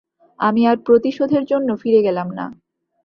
আমি আর প্রতিশোধের জন্য ফিরে গেলাম না।